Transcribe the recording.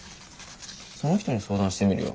その人に相談してみるよ。